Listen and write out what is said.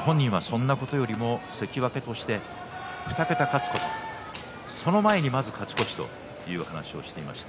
本人はそんなことよりも関脇として２桁勝つことその前に、まず勝ち越しという話をしていました。